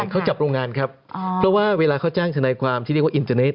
ใช่เขาจับโรงงานครับเพราะว่าเวลาเขาจ้างทนายความที่เรียกว่า